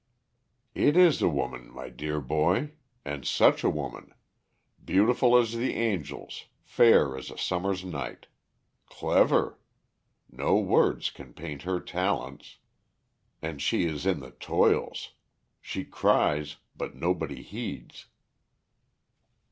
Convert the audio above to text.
"It is a woman, my dear boy. And such a woman! Beautiful as the angels, fair as a summer's night. Clever! No words can paint her talents. And she is in the toils. She cries, but nobody heeds."